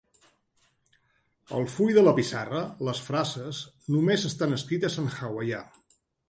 Al full de la pissarra les frases només estan escrites en hawaià.